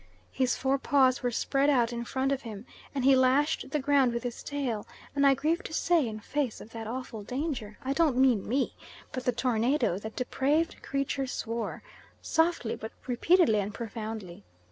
His fore paws were spread out in front of him and he lashed the ground with his tail, and I grieve to say, in face of that awful danger I don't mean me, but the tornado that depraved creature swore, softly, but repeatedly and profoundly.